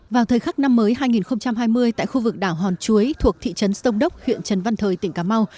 vào thời khắc năm mới hai nghìn hai mươi tại khu vực đảo hòn chuối thuộc thị trấn sông đốc huyện trần văn thời tỉnh cà mau